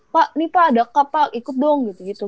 pak ini pak ada cup pak ikut dong gitu